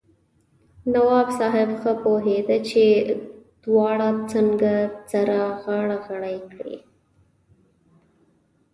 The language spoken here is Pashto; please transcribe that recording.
نواب صاحب ښه پوهېږي چې دواړه څنګه سره غاړه غړۍ کړي.